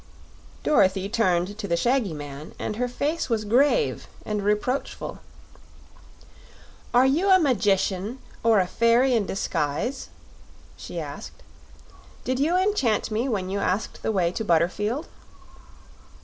Dorothy turned to the shaggy man, and her face was grave and reproachful. "Are you a magician? or a fairy in disguise?" she asked. "Did you enchant me when you asked the way to Butterfield?"